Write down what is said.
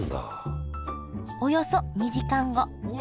およそ２時間後。